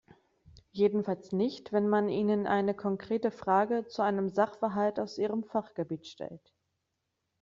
Jedenfalls nicht, wenn man ihnen eine konkrete Frage zu einem Sachverhalt aus ihrem Fachgebiet stellt.